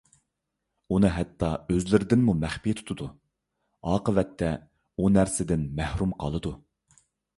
ئۇنى ھەتتا ئۆزلىرىدىنمۇ مەخپى تۇتىدۇ. ئاقىۋەتتە ئۇ نەرسىلەردىن مەھرۇم قالىدۇ.